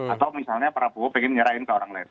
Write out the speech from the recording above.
atau misalnya prabowo pengen menyerahkan ke orang lain